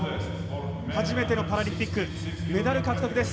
初めてのパラリンピックメダル獲得です。